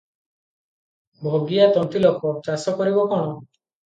ଭଗିଆ ତନ୍ତୀଲୋକ, ଚାଷ କରିବ କଣ?